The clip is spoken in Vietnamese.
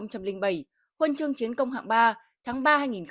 huân chương chiến công hạng ba tháng ba hai nghìn bảy